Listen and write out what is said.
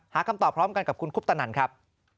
คำตอบพร้อมกันกับคุณคุปตนันครับ